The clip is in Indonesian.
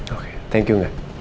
oke thank you nga